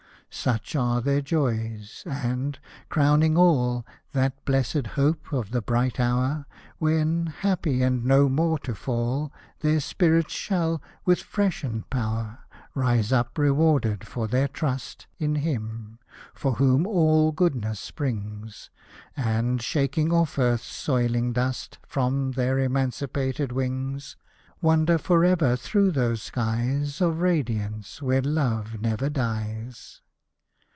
Such are their joys^and, crowning all, That blessed hope of the bright hour, When, happy and no more to fall, Their spirits shall, with freshened power, Rise up rewarded for their trust In Him, from whom all goodness springs, And, shaking off earth's soiling dust From their emancipated wings, Hosted by Google CONSOLATIONS 163 Wander for ever through those skies Of radiance, where Love never dies